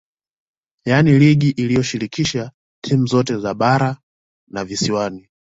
Yaani ligi iliyoshirikisha timu zote za bara na visiwani